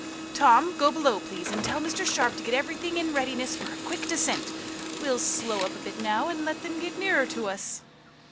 Tom, go below, please, and tell Mr. Sharp to get every thing in readiness for a quick descent. We'll slow up a bit now, and let them get nearer to us."